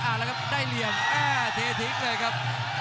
อ้าวแล้วครับได้เหลี่ยงแอ่เธอทิกเลยครับ